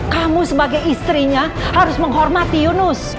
kamu sebagai istrinya harus menghormati yunus